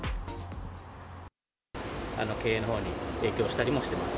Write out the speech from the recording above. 経営のほうに影響したりもしてます。